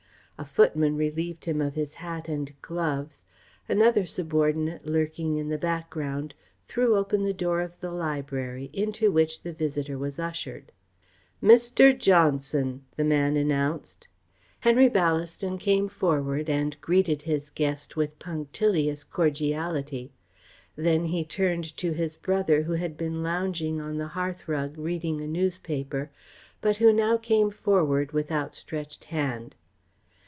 A footman relieved him of his hat and gloves. Another subordinate, lurking in the background, threw open the door of the library, into which the visitor was ushered. "Mr. Johnson," the man announced. Henry Ballaston came forward and greeted his guest with punctilious cordiality. Then he turned to his brother who had been lounging on the hearth rug, reading a newspaper, but who now came forward with outstretched hand.